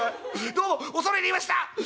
どうも恐れ入りました」。